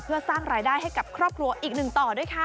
เพื่อสร้างรายได้ให้กับครอบครัวอีกหนึ่งต่อด้วยค่ะ